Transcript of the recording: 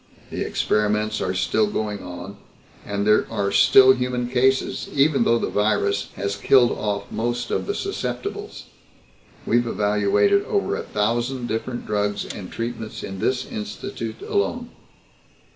The experiments are still going on, and there are still human cases, even though the virus has killed off most of the susceptibles. We've evaluated over a thousand different drugs and treatments in this Institute alone."